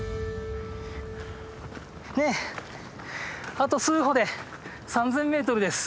あと数歩で３，０００ｍです。